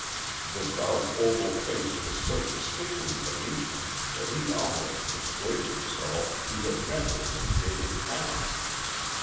The dark, oval face was so distinctly Venetian that he almost persuaded himself he had met her in his native town.